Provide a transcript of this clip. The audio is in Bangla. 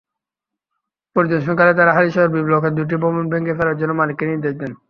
পরিদর্শনকালে তাঁরা হালিশহর বি-ব্লকের দুটি ভবন ভেঙে ফেলার জন্য মালিককে নির্দেশ দেন।